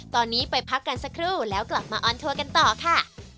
ตอนนี้ไปพักกันสักครู่แล้วกลับมาออนทัวร์กันต่อค่ะ